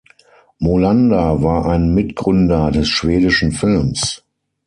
Molander war ein Mitgründer des schwedischen Films.